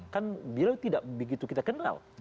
kan beliau tidak begitu kita kenal